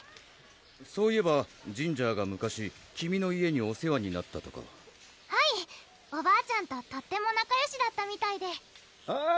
そういえばジンジャーが昔君の家にお世話になったとかはいおばあちゃんととってもなかよしだったみたいであぁ